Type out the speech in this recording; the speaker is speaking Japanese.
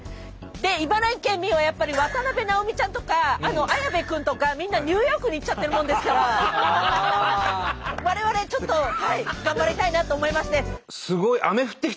で茨城県民はやっぱり渡辺直美ちゃんとか綾部君とかみんなニューヨークに行っちゃってるもんですから我々ちょっと頑張りたいなと思いまして。